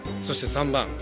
そして３番。